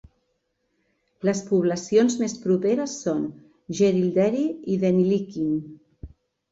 Les poblacions més properes són Jerilderie i Deniliquin.